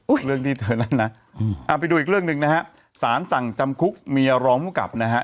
เรื่องที่เธอนั่นนะไปดูอีกเรื่องหนึ่งนะฮะสารสั่งจำคุกเมียรองผู้กลับนะฮะ